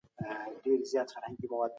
سياسي مبارزه بايد د قانون په چوکاټ کي وي.